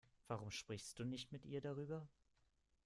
Warum sprichst du nicht mit ihr darüber?